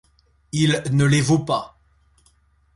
Il ne les vaut pas.